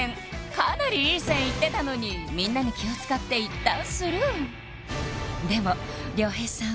かなりいい線いってたのにみんなに気を使っていったんスルーでも亮平さん